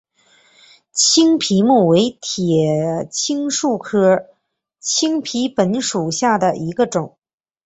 青皮木为铁青树科青皮木属下的一个种。